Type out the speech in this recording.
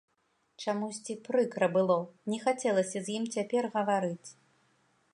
Чамусьці прыкра было, не хацелася з ім цяпер гаварыць.